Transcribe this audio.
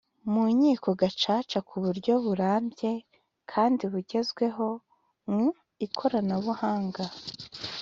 mu nkiko gacaca ku buryo burambye kandi bugezweho mu ikoranabuhang